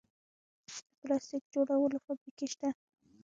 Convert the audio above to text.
د پلاستیک جوړولو فابریکې شته